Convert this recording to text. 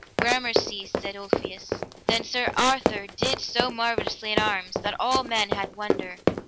Gramercy, said Ulfius. Then Sir Arthur did so marvellously in arms, that all men had wonder.